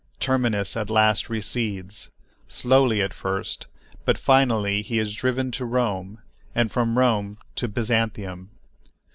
Terminus at last recedes, slowly at first, but finally he is driven to Rome, and from Rome to Byzantium.